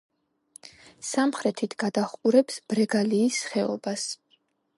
სამხრეთით გადაჰყურებს ბრეგალიის ხეობას.